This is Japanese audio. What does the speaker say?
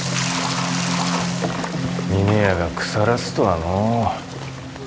峰屋が腐らすとはのう。